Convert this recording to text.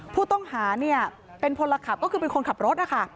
ผู้ต้องหาเนี่ยเป็นพลขับก็คือเป็นคนขับรถนะคะ